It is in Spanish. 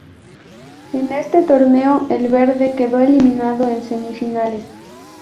En este torneo, "el verde" quedó eliminado en semifinales.